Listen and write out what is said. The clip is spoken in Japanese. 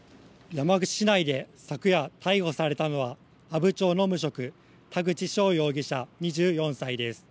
山口市内で昨夜、逮捕されたのは、阿武町の無職、田口ショウ容疑者２４歳です。